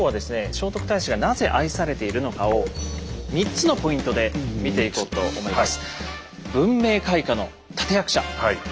聖徳太子がなぜ愛されているのかを３つのポイントで見ていこうと思います。